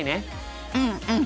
うんうん。